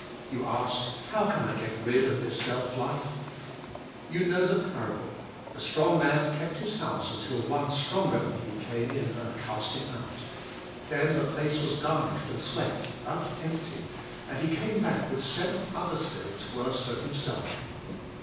You ask, "How can I get rid of this self life?" You know the parable: the strong man kept his house until one stronger than he came in and cast him out. Then the place was garnished and swept, but empty, and he came back with seven other spirits worse than himself.